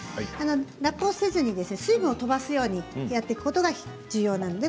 ラップをせず水分を飛ばすようにしていくことが重要です。